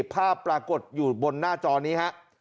ภาพปรากฏอยู่บนหน้าจอนี้ฮะ